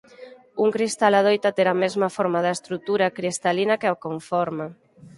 Un cristal adoita ter a mesma forma da estrutura cristalina que a conforma.